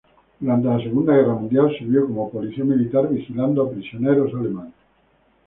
Durante la segunda guerra mundial, sirvió como Policía Militar vigilando a prisioneros alemanes.